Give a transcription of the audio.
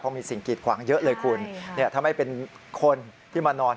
มีสิ่งกีดขวางเยอะเลยคุณเนี่ยถ้าไม่เป็นคนที่มานอน